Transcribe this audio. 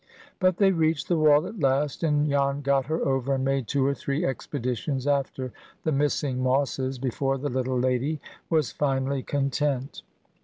But they reached the wall at last, and Jan got her over, and made two or three expeditions after the missing mosses, before the little lady was finally content.